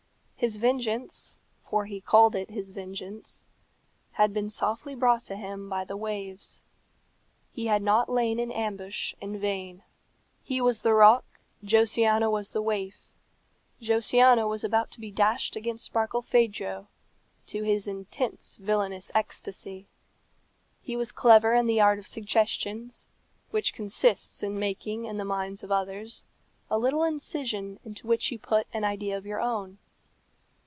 His vengeance for he called it his vengeance had been softly brought to him by the waves. He had not lain in ambush in vain. He was the rock, Josiana was the waif. Josiana was about to be dashed against Barkilphedro, to his intense villainous ecstasy. He was clever in the art of suggestion, which consists in making in the minds of others a little incision into which you put an idea of your own.